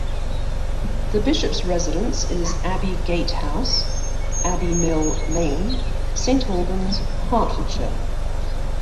The Bishop's residence is Abbey Gate House, Abbey Mill Lane, Saint Albans, Hertfordshire.